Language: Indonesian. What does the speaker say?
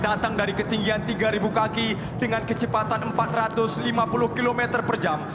datang dari ketinggian tiga kaki dengan kecepatan empat ratus lima puluh km per jam